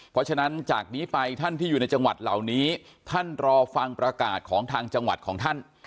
เพราะฉะนั้นจากนี้ไปท่านที่อยู่ในจังหวัดเหล่านี้ท่านรอฟังประกาศของทางจังหวัดของท่าน